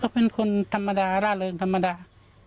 เป็นคนธรรมดาร่าเริงธรรมดา